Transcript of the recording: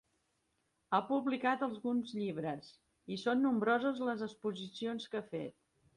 Ha publicat alguns llibres, i són nombroses les exposicions que ha fet.